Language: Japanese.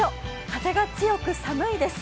風が強く寒いです。